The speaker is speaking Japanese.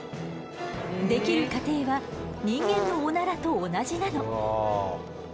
出来る過程は人間のオナラと同じなの。